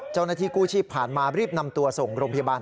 เจ้าหน้าที่กู้ชีพผ่านมารีบนำตัวส่งโรงพยาบาล